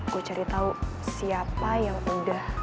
gua cari tau siapa yang udah